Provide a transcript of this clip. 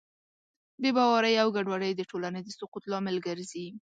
بېباورۍ او ګډوډۍ د ټولنې د سقوط لامل ګرځي.